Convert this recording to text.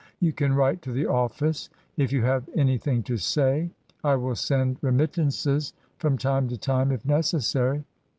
You can write to the office if you have anything to say. I will send remittances from time to time, if necessary.